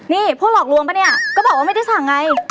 นี่พวกหลอกลวงปะเนี่ยก็บอกว่าไม่ได้สั่งไง